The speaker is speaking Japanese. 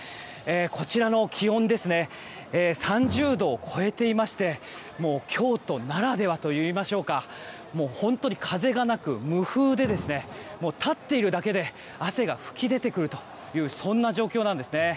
こちらの気温３０度を超えていまして京都ならではといいましょうか本当に風がなく無風で、立っているだけで汗が噴き出てくるというそんな状況なんですね。